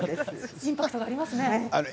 インパクトがありますね。